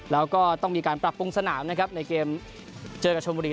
แล้วก็ต้องมีการปรับปรุงสนามนะครับในเกมเจอกับชมบุรี